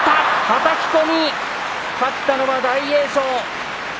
はたき込み、勝ったのは大栄翔。